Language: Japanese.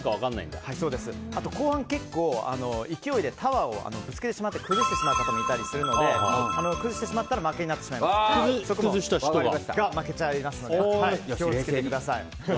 後半結構、勢いでタワーをぶつけてしまって崩してしまう方もいるので崩してしまったら負けになってしまいますので気を付けてください。